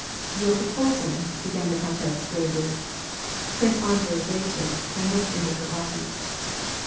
" Your proposal "— began the countess gravely. Prince Andrei waited, and looked into her eyes.